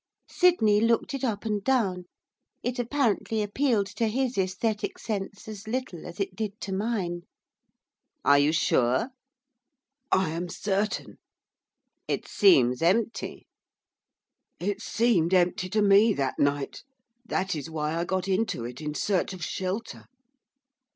Sydney looked it up and down, it apparently appealed to his aesthetic sense as little as it did to mine. 'Are you sure?' 'I am certain.' 'It seems empty.' 'It seemed empty to me that night, that is why I got into it in search of shelter.